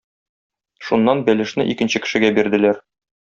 Шуннан бәлешне икенче кешегә бирделәр.